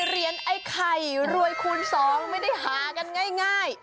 เหรียญไอ้ไข่รวยคูณ๒ไม่ได้หากันง่าย